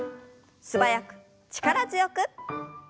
素早く力強く。